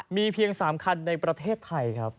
มีเพียง๓คันในประเทศไทยครับ